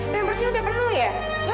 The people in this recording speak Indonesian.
pampersnya udah penuh ya